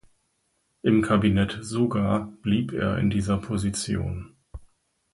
Im Kabinett Suga blieb er in dieser Position.